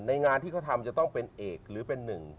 งานที่เขาทำจะต้องเป็นเอกหรือเป็นหนึ่ง